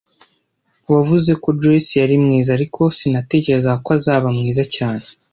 Wavuze ko Joyce yari mwiza, ariko sinatekerezaga ko azaba mwiza cyane